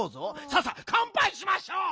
さあさかんぱいしましょう！